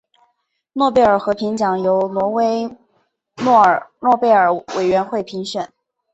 诺贝尔和平奖由挪威诺贝尔委员会评选。